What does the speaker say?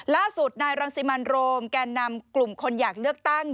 ล่าสุดนายรังสิมันโรมแก่นำกลุ่มคนอยากเลือกตั้ง